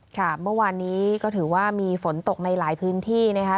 ค่ะเมื่อวานนี้ก็ถือว่ามีฝนตกในหลายพื้นที่นะคะ